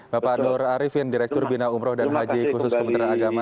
bapak nur arifin direktur bina umroh dan haji khusus kementerian agama